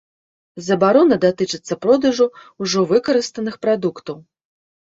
Забарона датычыцца продажу ўжо выкарыстаных прадуктаў.